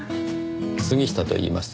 杉下といいます。